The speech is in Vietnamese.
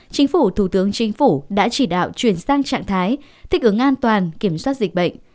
chính phủ thủ tướng chính phủ đã chỉ đạo chuyển sang trạng thái thích ứng an toàn kiểm soát dịch bệnh